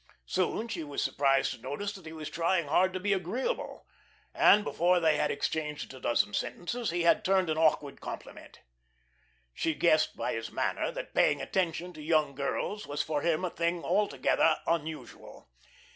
Soon she was surprised to notice that he was trying hard to be agreeable, and before they had exchanged a dozen sentences, he had turned an awkward compliment. She guessed by his manner that paying attention to young girls was for him a thing altogether unusual.